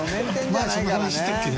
前そんな話したっけね。